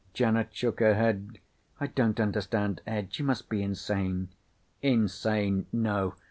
Janet shook her head. "I don't understand, Ed. You must be insane." "Insane? No.